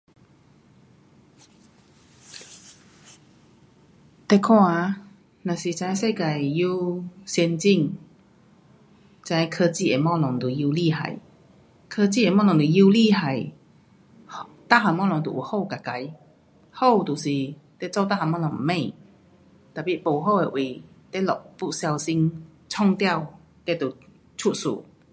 你看啊，若是这世界越先进，这科技的东西就越厉害。科技的东西越厉害，每样东西都有好跟坏，好就是你做每样东西快，tapi 不好的位你若不小心弄到你就出事。